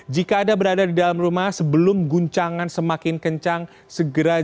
jika anda berada di dalam rumah sebelum guncangan semakin kencang segera jauhi